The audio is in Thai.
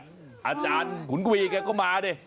อาจารย์ขุนกวีแกก็มาดิ